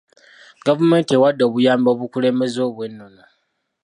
Gavumenti ewadde obuyambi obukulembeze obw'ennono.